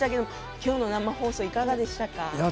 今日の生放送いかがでしたか？